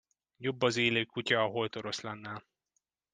Jobb az élő kutya a holt oroszlánnál.